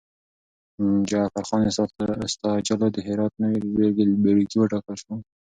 جعفرخان استاجلو د هرات نوی بیګلربيګي وټاکل شو.